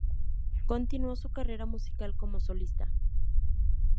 Continuó su carrera musical como solista.